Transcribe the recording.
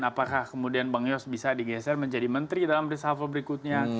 apakah kemudian bang yos bisa digeser menjadi menteri dalam reshuffle berikutnya